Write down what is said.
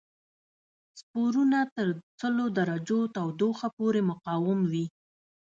سپورونه تر سلو درجو تودوخه پورې مقاوم وي.